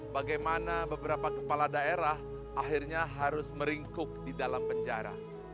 bagaimana beberapa kepala daerah akhirnya harus meringkuk di dalam penjara